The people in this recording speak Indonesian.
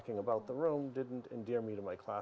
yang berasal dari rumah